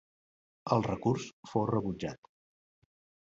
El recurs fou rebutjat.